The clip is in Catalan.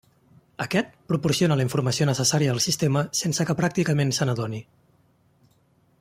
Aquest, proporciona la informació necessària al sistema sense que pràcticament se n'adoni.